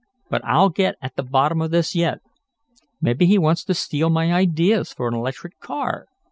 But I'll get at the bottom of this yet. Maybe he wants to steal my ideas for an electric car."